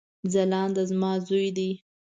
ځلاند زما ځوي دی